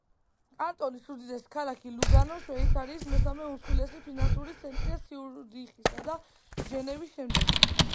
კანტონის უდიდესი ქალაქი ლუგანო შვეიცარიის მესამე უმსხვილესი ფინანსური ცენტრია ციურიხისა და ჟენევის შემდეგ.